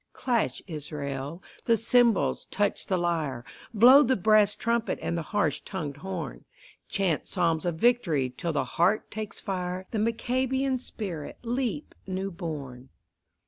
Clash, Israel, the cymbals, touch the lyre, Blow the brass trumpet and the harsh tongued horn; Chant psalms of victory till the heart takes fire, The Maccabean spirit leap new born.